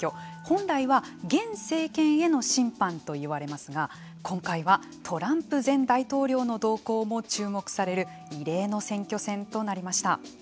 本来は現政権への審判と言われますが今回はトランプ前大統領の動向も注目される異例の選挙戦となりました。